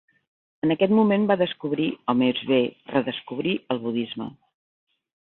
En aquest moment va descobrir, o més bé redescobrir, el budisme.